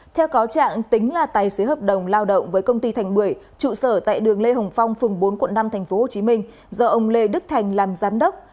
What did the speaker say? theo cáo trạng tính là tài xế hợp đồng lao động với công ty thành bưởi trụ sở tại đường lê hồng phong phường bốn quận năm tp hcm do ông lê đức thành làm giám đốc